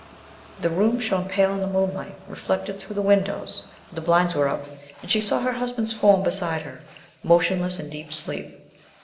The room shone pale in the moonlight reflected through the windows, for the blinds were up, and she saw her husband's form beside her, motionless in deep sleep.